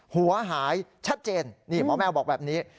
หัวหายชัดเจนนี่หมอแมวบอกแบบนี้